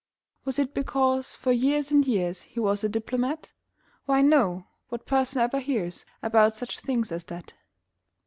Was it because for years and years He was a diplomat? Why, no. What person ever hears About such things as that?